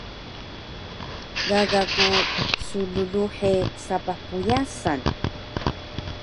Gaga ku slluhe sapah pyasan